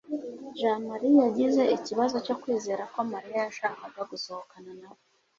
jamali yagize ikibazo cyo kwizera ko mariya yashakaga gusohokana nawe